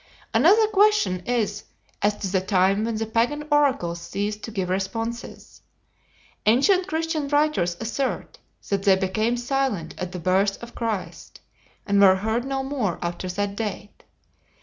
Another question is as to the time when the Pagan oracles ceased to give responses. Ancient Christian writers assert that they became silent at the birth of Christ, and were heard no more after that date.